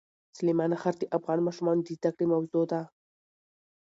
سلیمان غر د افغان ماشومانو د زده کړې موضوع ده.